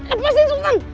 apa sih sultan